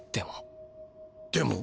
でも。